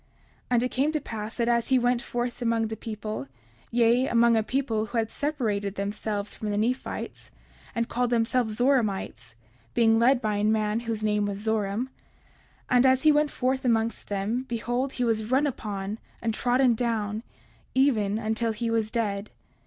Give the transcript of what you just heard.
30:59 And it came to pass that as he went forth among the people, yea, among a people who had separated themselves from the Nephites and called themselves Zoramites, being led by a man whose name was Zoram—and as he went forth amongst them, behold, he was run upon and trodden down, even until he was dead.